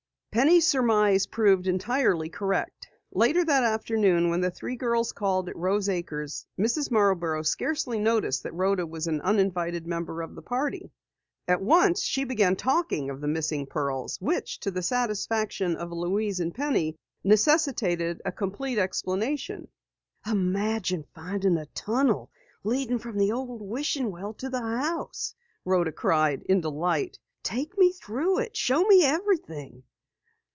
Penny's surmise proved entirely correct. Later that afternoon when the three girls called at Rose Acres, Mrs. Marborough scarcely noticed that Rhoda was an uninvited member of the party. At once she began talking of the missing pearls, which to the satisfaction of Louise and Penny, necessitated a complete explanation. "Imagine finding a tunnel leading from the old wishing well to the house!" Rhoda cried in delight. "Take me through it! Show me everything!"